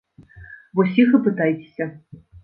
Вось іх і пытайцеся.